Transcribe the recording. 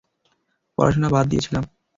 পড়াশোনা বাদ দিয়েছিলাম।